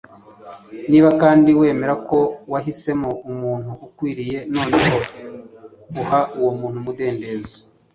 niba kandi wemera ko wahisemo umuntu ukwiye, noneho uha uwo muntu umudendezo